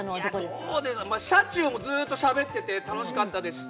まあ車中もずっとしゃべってて楽しかったですし